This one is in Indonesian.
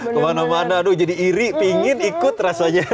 kemana mana aduh jadi iri pingin ikut rasanya